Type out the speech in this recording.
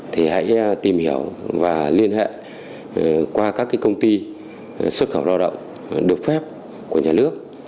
thì hãy tìm hiểu và liên hệ qua các công ty xuất khẩu lao động được phép của nhà nước